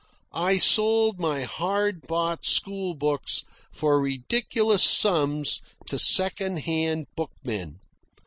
I sold my hard bought school books for ridiculous sums to second hand bookmen.